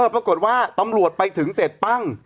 ปรากฏว่าตำรวจไปถึงเสร็จปั้ง